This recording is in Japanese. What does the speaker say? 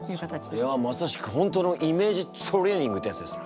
それはまさしく本当のイメージトレーニングってやつですな。